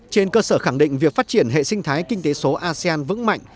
trên cơ sở khẳng định việc phát triển hệ sinh thái kinh tế số asean vững mạnh